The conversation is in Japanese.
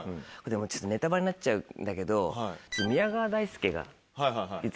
ちょっとネタバレになっちゃうんだけど。